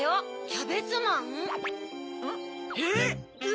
キャベツマン？ん？え⁉え？